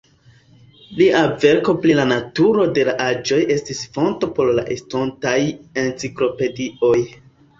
Lia verko "Pri la naturo de la aĵoj" estis fonto por la estontaj enciklopedioj.